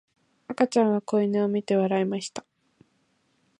赤ちゃんは子犬を見て笑いました。